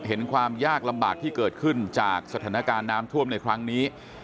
ความยากลำบากที่เกิดขึ้นจากสถานการณ์น้ำท่วมในครั้งนี้